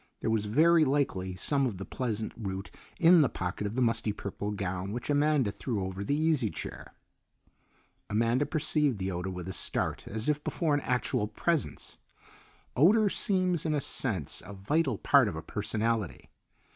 There was very likely some of the pleasant root in the pocket of the musty purple gown which Amanda threw over the easy chair. Amanda perceived the odour with a start as if before an actual presence. Odour seems in a sense a vital part of a personality.